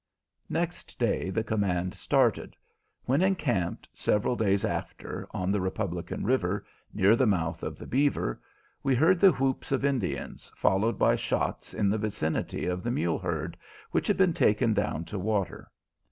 Next day the command started. When encamped, several days after, on the Republican River, near the mouth of the Beaver, we heard the whoops of Indians, followed by shots in the vicinity of the mule herd, which had been taken down to water.